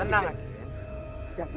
kalian bantuin dia